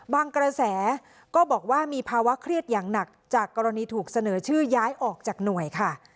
กระแสก็บอกว่ามีภาวะเครียดอย่างหนักจากกรณีถูกเสนอชื่อย้ายออกจากหน่วยค่ะ